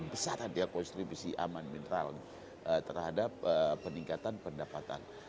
besar kan dia konstribusi aman mineral terhadap peningkatan pendapatan